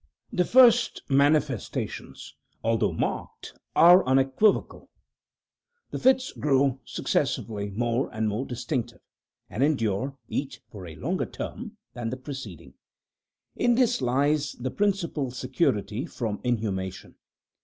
The first manifestations, although marked, are unequivocal. The fits grow successively more and more distinctive, and endure each for a longer term than the preceding. In this lies the principal security from inhumation.